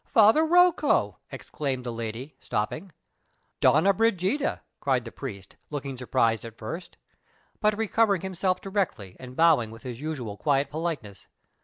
"Father Rocco!" exclaimed the lady, stopping. "Donna Brigida!" cried the priest, looking surprised at first, but recovering himself directly and bowing with his usual quiet politeness.